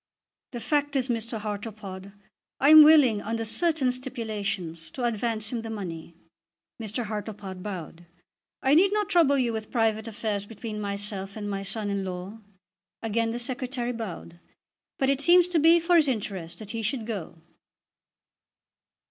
"The fact is, Mr. Hartlepod, I am willing, under certain stipulations, to advance him the money." Mr. Hartlepod bowed. "I need not trouble you with private affairs between myself and my son in law." Again the Secretary bowed. "But it seems to be for his interest that he should go."